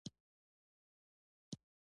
ایا ستاسو یقین به پوخ نه شي؟